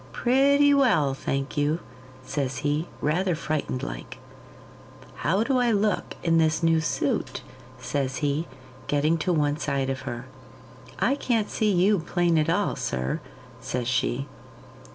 'Pretty well, thank you,' says he, rather frightened like. 'How do I look in this new suit?' says he, getting to one side of her. 'I can't see you plain at all, sir,' says she.